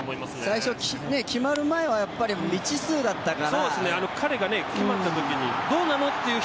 最初、決まる前は未知数だったから。